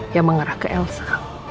yang mengarah ke elsa